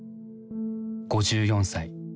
５４歳。